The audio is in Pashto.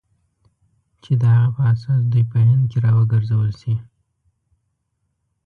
چې د هغه په اساس دوی په هند کې را وګرځول شي.